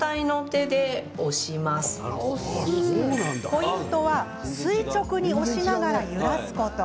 ポイントは、垂直に押しながら揺らすこと。